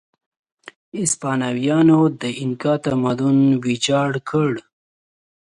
هسپانویانو د اینکا تمدن ویجاړ کړ.